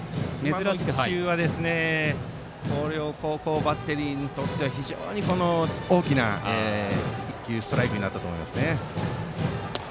広陵高校バッテリーにとっては大きな１球ストライクになったと思います。